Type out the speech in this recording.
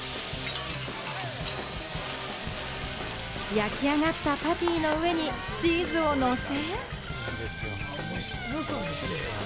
焼き上がったパティの上にチーズをのせ。